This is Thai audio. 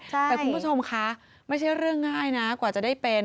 แต่คุณผู้ชมคะไม่ใช่เรื่องง่ายนะกว่าจะได้เป็น